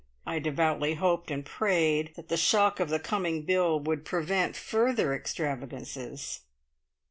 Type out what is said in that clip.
I devoutly hoped and prayed that the shock of the coming bill would prevent further extravagances!